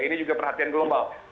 ini juga perhatian global